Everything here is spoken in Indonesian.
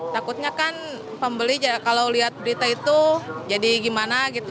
takutnya kan pembeli kalau lihat berita itu jadi gimana gitu